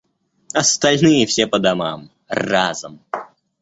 Остальные все по домам… Разом!